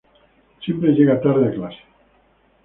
Siempre llega Tarde a clase.